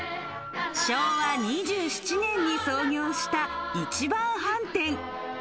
昭和２７年に創業した一番飯店。